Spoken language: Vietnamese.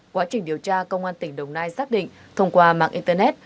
quá trình điều tra công an tỉnh đồng nai xác định thông qua mạng internet